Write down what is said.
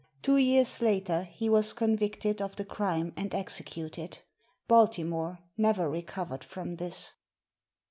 Two years later, he was convicted of the crime and executed. Baltimore never recovered from this.